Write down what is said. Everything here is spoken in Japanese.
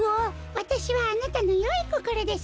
わたしはあなたのよいこころです。